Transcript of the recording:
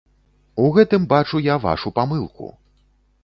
У гэтым бачу я вашу памылку!